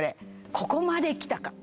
ここまできたか